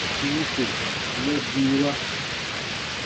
Wuku nɛgiiwa.